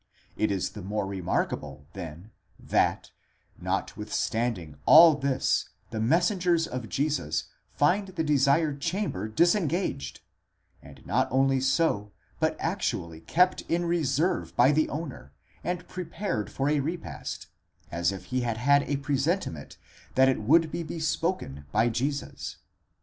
It is the more remarkable, then, that, notwithstanding all" this the messengers of Jesus find the desired chamber disengaged, and not only so, but actually kept in reserve by the owner and prepared for a repast, as if he had had a presentiment that it would be bespoken by Jesus.